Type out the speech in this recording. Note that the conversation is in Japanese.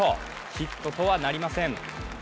ヒットとはなりません。